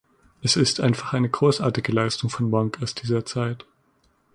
Es ist einfach eine großartige Leistung von Monk aus dieser Zeit.